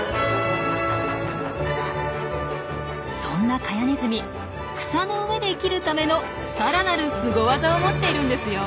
そんなカヤネズミ草の上で生きるためのさらなるスゴ技を持っているんですよ。